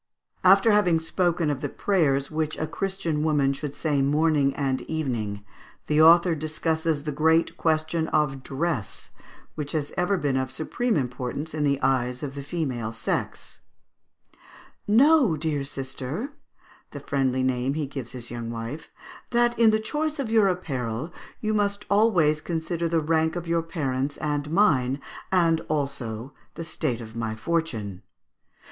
After having spoken of the prayers which a Christian woman should say morning and evening, the author discusses the great question of dress, which has ever been of supreme importance in the eyes of the female sex: "Know, dear sister," (the friendly name he gives his young wife), "that in the choice of your apparel you must always consider the rank of your parents and mine, as also the state of my fortune.